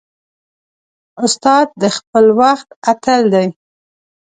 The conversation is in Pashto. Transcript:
استاد د خپل وخت اتل دی.